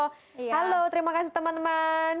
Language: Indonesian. halo terima kasih teman teman